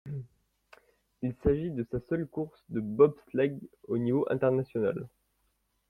Il s'agit de sa seule course de bobsleigh au niveau international.